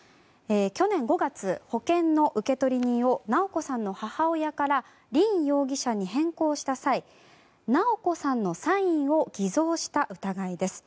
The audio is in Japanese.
去年５月、保険の受取人を直子さんの母親から凜容疑者に変更した際直子さんのサインを偽造した疑いです。